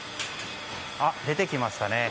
出てきましたね。